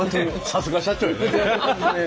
さすが社長やね。